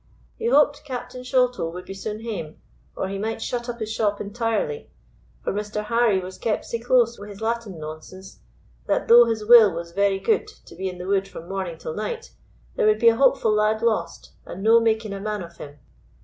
He hoped Captain Sholto would be soon hame, or he might shut up his shop entirely; for Mr. Harry was kept sae close wi' his Latin nonsense that, though his will was very gude to be in the wood from morning till night, there would be a hopeful lad lost, and no making a man of him.